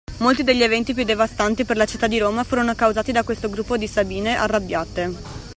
Molti degli eventi più devastanti per la città di Roma furono causati da questo gruppo di Sabine arrabbiate.